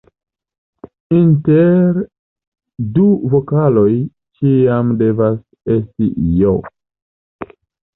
Inter du vokaloj ĉiam devas esti "j".